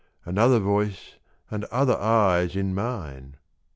Another voice and other eyes in mine!